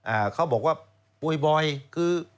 อะเขาบอกว่าบ่อยคือ